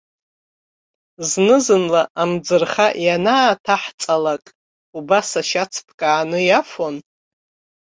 Знызынла амӡырха ианааҭаҳҵалак убас ашьац ԥкааны иафон.